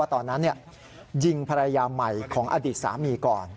ตอนนั้นยิงภรรยาใหม่ของอดีตสามีก่อน